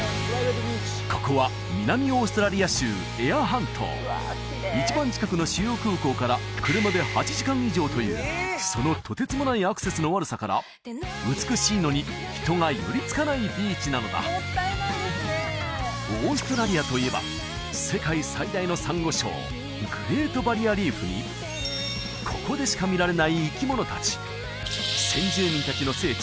ここは南オーストラリア州エア半島一番近くの主要空港から車で８時間以上というそのとてつもないアクセスの悪さから美しいのに人が寄りつかないビーチなのだオーストラリアといえば世界最大のサンゴ礁グレートバリアリーフにここでしか見られない生き物達先住民達の聖地